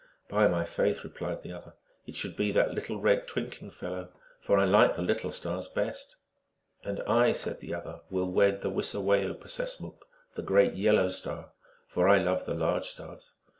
By my faith," replied the other, " it should be that little red, twin kling fellow, for I like the little stars best." " And I," said the other, " will wed the Wisawaioo P ses m (P.), the Great Yellow Star, for I love the large stars."